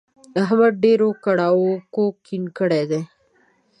احمد ډېرو کړاوونو کوږ کیڼ کړی دی.